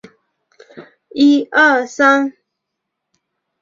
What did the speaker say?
此地俄语地名来源俄国海军上将。